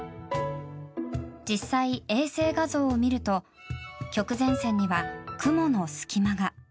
実際、衛星画像を見ると極前線には雲の隙間が。